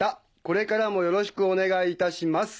これからもよろしくお願いいたします。